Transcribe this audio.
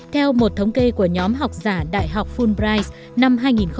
theo một thống kê của nhóm học giả đại học fulbright năm hai nghìn một mươi tám